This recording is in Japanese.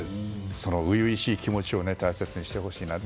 その初々しい気持ちを大切にしてほしいなと。